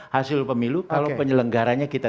hasil pemilu kalau penyelenggaranya kita